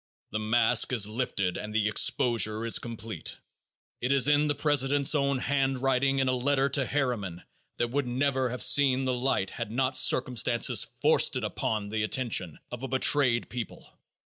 The mask is lifted and the exposure is complete. It is in the president's own handwriting in a letter to Harriman that would never have seen the light had not circumstances forced it upon the attention of a betrayed people.